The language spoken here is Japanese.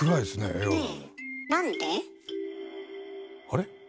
あれ？